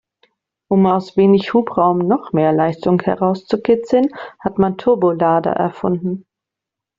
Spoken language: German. Um aus wenig Hubraum noch mehr Leistung herauszukitzeln, hat man Turbolader erfunden.